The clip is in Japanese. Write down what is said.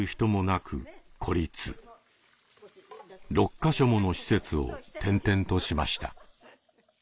６か所もの施設を転々としました。